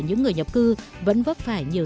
những người nhập cư vẫn vấp phải nhiều